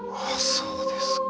そうですか。